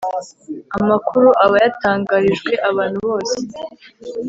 Amakuru aba yatangarijwe abantu bose